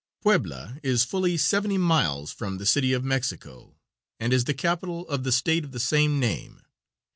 Puebla is fully seventy miles from the City of Mexico and is the capital of the state of the same name.